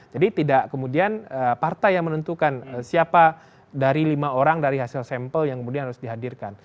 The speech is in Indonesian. jadi tidak kemudian partai yang menentukan siapa dari lima orang dari hasil sampel yang kemudian harus dihadirkan